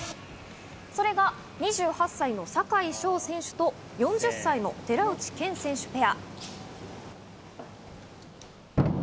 それが２８歳の坂井丞選手と４０歳の寺内健選手ペア。